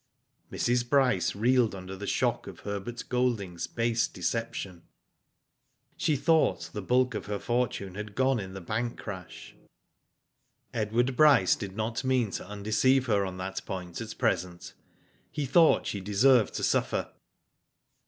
Mrs. Bryce reeled under the shock of Herbert Golding's base deception. She thought the bulk of her fortune had gone in the bank crash. Edward Bryce did not mean to undeceive her on that point at present. He thought she deserved to suffer.